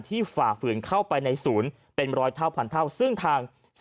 ฝ่าฝืนเข้าไปในศูนย์เป็นร้อยเท่าพันเท่าซึ่งทาง